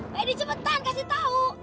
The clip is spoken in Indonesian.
pak yadi cepetan kasih tau